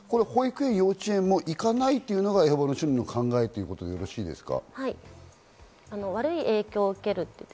保育園、幼稚園も行かないというのがエホバの証人の考えでよろしいですか？